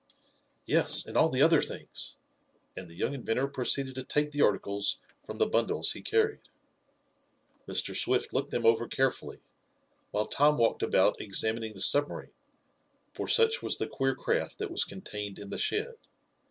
"Yes, and all the other things," and the young inventor proceeded to take the articles from the bundles he carried. Mr. Swift looked them over carefully, while Tom walked about examining the submarine, for such was the queer craft that was contained in the shed.